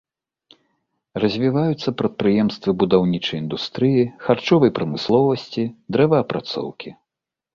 Развіваюцца прадпрыемствы будаўнічай індустрыі, харчовай прамысловасці, дрэваапрацоўкі.